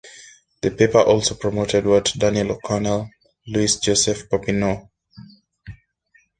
The paper also promoted what Daniel O'Connell Louis-Joseph Papineau.